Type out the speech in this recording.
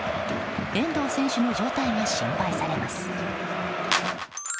遠藤選手の状態が心配されます。